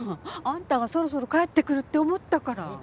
あんたがそろそろ帰ってくるって思ったから。